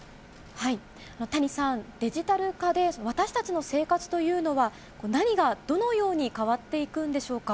谷さん、デジタル化で、私たちの生活というのは、何がどのように変わっていくんでしょうか。